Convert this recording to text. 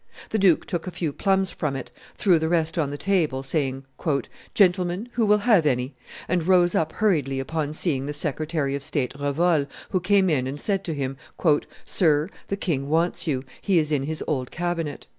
The duke took a few plums from it, threw the rest on the table, saying, "Gentlemen, who will have any?" and rose up hurriedly upon seeing the secretary of state Revol, who came in and said to him, "Sir, the king wants you; he is in his old cabinet."